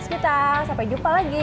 kita sampai jumpa lagi